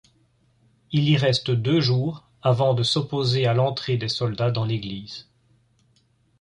Il y reste deux jours avant de s'opposer à l'entrée des soldats dans l'église.